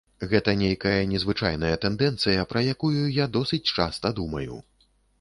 Гэта нейкая незвычайная тэндэнцыя, пра якую я досыць часта думаю.